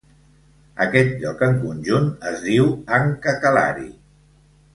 Aquest lloc en conjunt es diu AnkaKalari.